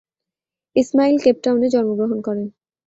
ইসমাইল কেপটাউন-এ জন্মগ্রহণ করেন।